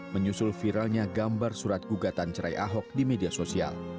menyusul viralnya gambar surat gugatan cerai ahok di media sosial